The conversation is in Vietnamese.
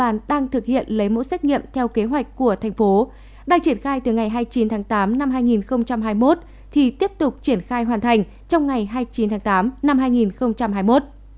tất cả những địa bàn đang thực hiện lấy mẫu xét nghiệm theo kế hoạch của tp nha trang đang triển khai từ ngày hai mươi chín tháng tám năm hai nghìn hai mươi một thì tiếp tục triển khai hoàn thành trong ngày hai mươi chín tháng tám năm hai nghìn hai mươi một